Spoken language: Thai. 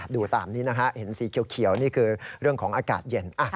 ดูตามนี้นะฮะเห็นสีเขียวนี่คือเรื่องของอากาศเย็น